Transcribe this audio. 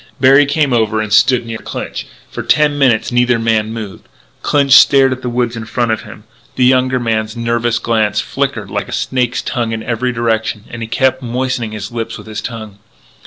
Berry came over and stood near Clinch. For ten minutes neither man moved. Clinch stared at the woods in front of him. The younger man's nervous glance flickered like a snake's tongue in every direction, and he kept moistening his lips with his tongue.